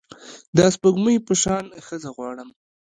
د سپوږمۍ په شان ښځه غواړم